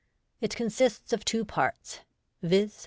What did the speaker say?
It consists of two parts, viz.